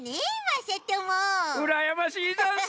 うらやましいざんす！